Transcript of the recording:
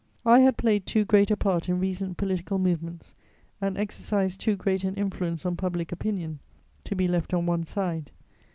I had played too great a part in recent political movements and exercised too great an influence on public opinion to be left on one side.